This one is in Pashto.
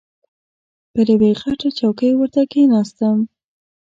پر یوې غټه چوکۍ ورته کښېناستم.